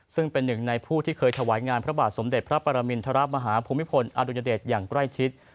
ซึ่งเป็นหนึ่งในผู้ที่เคยถวายงานพระบาทสมเด็จพระปรมินทรมาฮาภูมิพลอดุญเดชอย่างใกล้ชิด